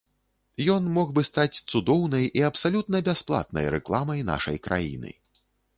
Ён мог бы стаць цудоўнай і абсалютна бясплатнай рэкламай нашай краіны.